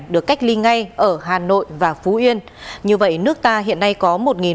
để ép trả nợ